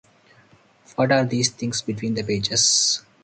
What are these things between the pages?